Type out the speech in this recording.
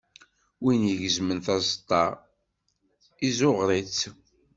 Win igezmen taseṭṭa, izzuɣer-itt.